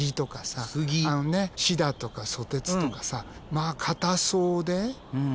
シダとかソテツとかさまあ硬そうでねえ。